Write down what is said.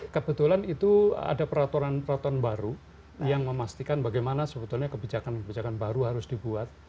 kebetulan itu ada peraturan peraturan baru yang memastikan bagaimana sebetulnya kebijakan kebijakan baru harus dibuat